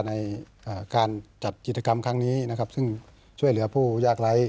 ในการจัดกิจกรรมครั้งนี้นะครับซึ่งช่วยเหลือผู้ยากไร้